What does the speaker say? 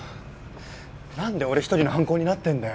なんで俺一人の犯行になってんだよ？